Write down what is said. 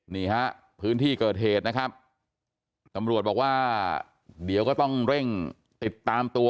นี่ฮะพื้นที่เกิดเหตุนะครับตำรวจบอกว่าเดี๋ยวก็ต้องเร่งติดตามตัว